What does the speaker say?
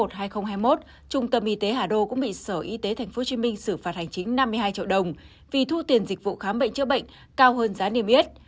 tháng một hai nghìn hai mươi một trung tâm y tế hà đô cũng bị sở y tế tp hcm xử phạt hành chính năm mươi hai triệu đồng vì thu tiền dịch vụ khám bệnh chữa bệnh cao hơn giá niêm yết